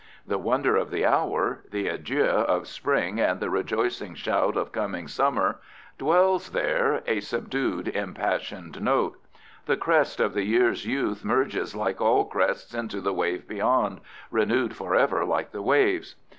The wonder of the hour—the adieu of spring and the rejoicing shout of coming summer—dwells there, a subdued, impassioned note. The crest of the year's youth merges like all crests into the wave beyond, renewed forever like the waves.